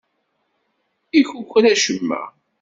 Ikukra acemma.